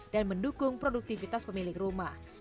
dan mendukung produktivitas rumah tangga